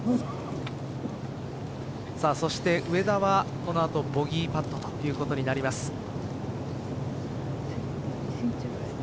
そして上田はこの後ボギーパットということになります。